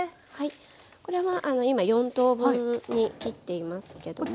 これは今四等分に切っていますけども。